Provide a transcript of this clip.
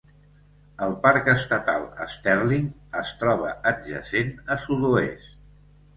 El Parc Estatal Sterling es troba adjacent a sud-oest.